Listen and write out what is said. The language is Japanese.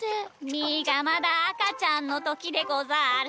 みーがまだあかちゃんのときでござる。